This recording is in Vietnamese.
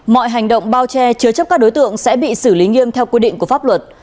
mọi hành động bao che chứa chấp các đối tượng sẽ bị xử lý nghiêm theo quy định của pháp luật